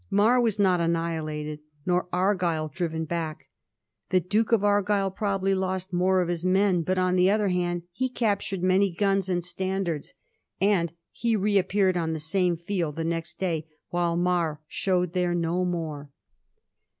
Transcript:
Mar was not annihilated, nor Argyll driven back. The Duke of Argyll probably lost more of his men, but, on the other hand, he captured many guns and standards, and he reappeared on the same field the next day, while Mar showed there no more.